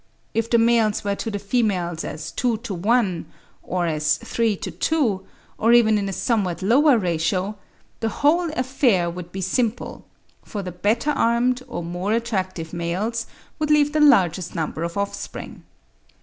If the males were to the females as two to one, or as three to two, or even in a somewhat lower ratio, the whole affair would be simple; for the better armed or more attractive males would leave the largest number of offspring.